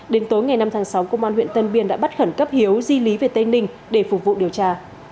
đến tối ngày năm tháng sáu công an huyện tân biên đã bắt khẩn cấp hiếu di lý về tây ninh để phục vụ điều tra